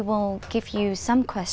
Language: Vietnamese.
đối xử với bản thân